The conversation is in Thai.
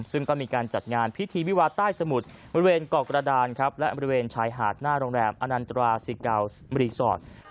ซึ่งก็มีการจัดงานพิธีวิวาใต้สมุทรบริเวณเกาะกระดานครับและบริเวณชายหาดหน้าโรงแรมอนันตราซิการีสอร์ท